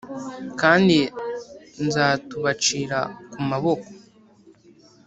kandi nzatubacira ku maboko